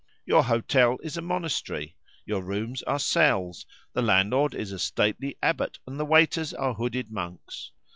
Your hotel is a monastery, your rooms are cells, the landlord is a stately abbot, and the waiters are hooded monks.